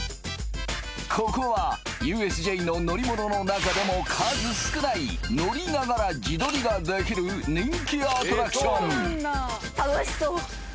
ここはＵＳＪの乗り物の中でも数少ない乗りながら自撮りができる人気アトラクション楽しそう